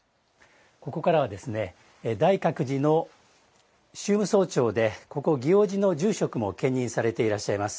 ここからは大覚寺の宗務総長でここ、祇王寺の住職も兼任されていらっしゃいます